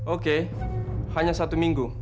oke hanya satu minggu